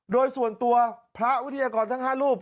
โดยส่วนตัวพระวิทยากรทั้ง๕รูป